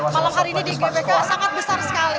malam hari ini di gbk sangat besar sekali